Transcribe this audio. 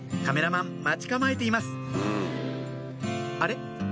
カメラマン待ち構えていますあれ？